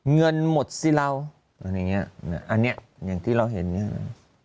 เงินหมดสิเราอย่างอย่างเงี้ยอันเนี้ย